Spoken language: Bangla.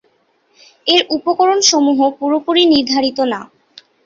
এর উপকরণ সমূহ পুরোপুরি নির্ধারিত না।